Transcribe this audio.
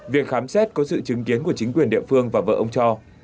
việc khám xét có sự chứng kiến của chính quyền địa phương và vợ ông cho